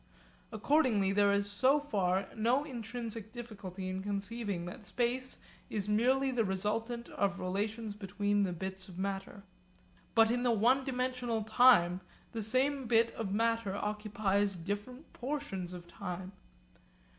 Accordingly there is so far no intrinsic difficulty in conceiving that space is merely the resultant of relations between the bits of matter. But in the one dimensional time the same bit of matter occupies different portions of time.